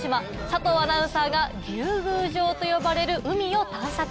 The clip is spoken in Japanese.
佐藤アナウンサーが竜宮城と呼ばれる海を探索。